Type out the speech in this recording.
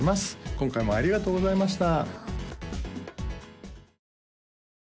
今回もありがとうございました